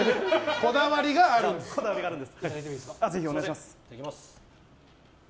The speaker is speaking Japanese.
こだわりがあるんです！